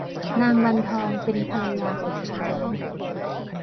นางวันทองเป็นภรรยาขุนช้าง